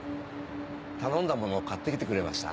頼んだもの買って来てくれました？